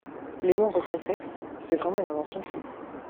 Les nombres complexes, c'est vraiment une invention de fou.